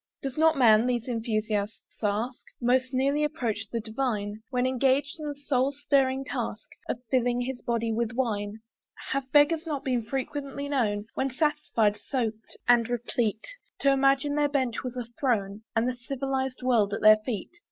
Does not man, these enthusiasts ask, Most nearly approach the divine, When engaged in the soul stirring task Of filling his body with wine? Have not beggars been frequently known, When satisfied, soaked, and replete, To imagine their bench was a throne And the civilised world at their feet?